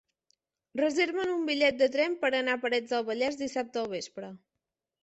Reserva'm un bitllet de tren per anar a Parets del Vallès dissabte al vespre.